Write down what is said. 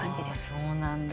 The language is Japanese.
そうなんだ。